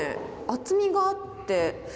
厚みがあって。